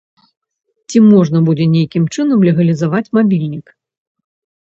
Ці можна будзе нейкім чынам легалізаваць мабільнік?